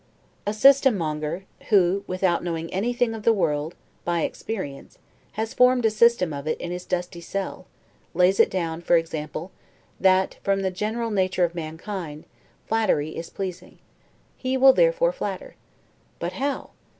A system monger, who, without knowing anything of the world by experience, has formed a system, of it in his dusty cell, lays it down, for example, that (from the general nature of mankind) flattery is pleasing. He will therefore flatter. But how?